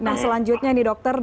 nah selanjutnya nih dokter